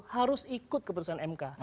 harus ikut keputusan mk